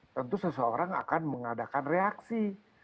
tentu seseorang akan mengadakan reaksi